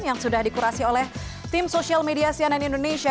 yang sudah dikurasi oleh tim sosial media cnn indonesia